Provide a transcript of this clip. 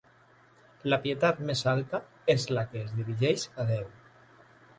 La pietat més alta és la que es dirigeix a Déu.